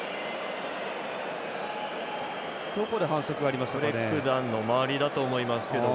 どこで反則がありましたかね。